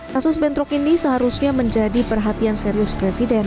kasus bentrok ini seharusnya menjadi perhatian serius presiden